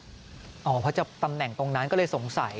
เพราะจะตำแหน่งตรงนั้นก็เลยสงสัย